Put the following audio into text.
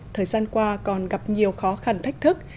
thời gian qua còn gặp nhiều khó khăn thách thức